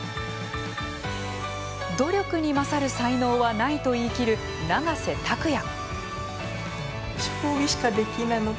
努力に勝る才能はないと言い切る永瀬拓矢。